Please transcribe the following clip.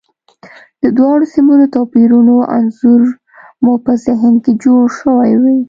د دواړو سیمو د توپیرونو انځور مو په ذهن کې جوړ شوی وي.